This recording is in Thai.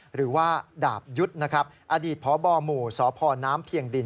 หรือว่าดาบยุทธ์นะครับอดีตพบหมู่สพน้ำเพียงดิน